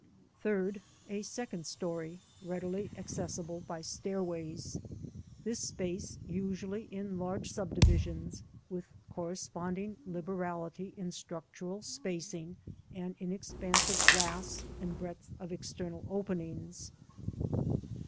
3d, a second story readily accessible by stairways, ŌĆö this space usually in large subdivisions, with corresponding liberality in structural spacing and in expanse of glass and breadth of external openings.